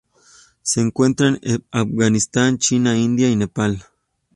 Se encuentran en Afganistán, China, India, y Nepal.